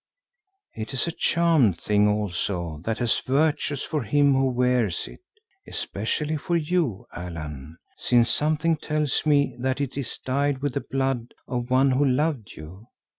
It is a charmed thing also that has virtues for him who wears it, especially for you, Allan, since something tells me that it is dyed with the blood of one who loved you.